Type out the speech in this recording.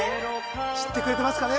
知ってくれてますかね